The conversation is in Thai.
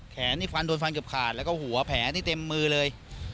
นี่ฟันโดนฟันเกือบขาดแล้วก็หัวแผลนี่เต็มมือเลย